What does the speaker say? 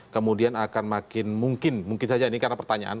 kemudian akan makin mungkin mungkin saja ini karena pertanyaan